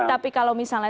tapi kalau misalnya